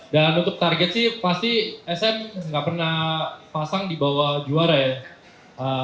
dan untuk target sih pasti sm gak pernah pasang di bawah juara ya